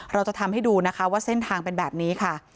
เราจะทำให้ดูนะคะว่าเส้นทางเป็นแบบนี้ค่ะ